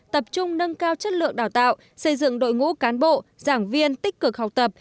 tập trung nâng cao chất lượng đào tạo xây dựng đội ngũ cán bộ giảng viên tích cực học tập